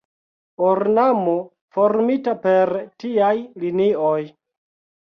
Ornamo formita per tiaj linioj.